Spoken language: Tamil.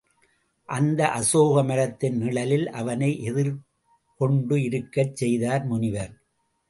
அந்த அசோக மரத்தின் நிழலில் அவனை எதிர் கொண்டு இருக்கச் செய்தார் முனிவர்.